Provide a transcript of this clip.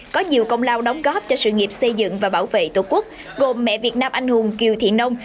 có nhiều công lao đóng góp cho sự nghiệp xây dựng và bảo vệ tổ quốc gồm mẹ việt nam anh hùng kiều thị nông